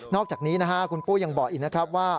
นอกจากนี้คุณปู่ยังบอกอีกนะครับว่า